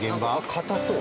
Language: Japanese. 硬そう。